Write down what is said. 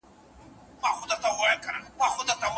ښه دی چې ستا له مستو لېچو تاو بنگړی نه يمه